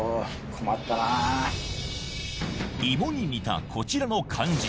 「芋」に似たこちらの漢字